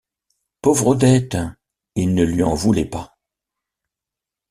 Pauvre Odette ! il ne lui en voulait pas.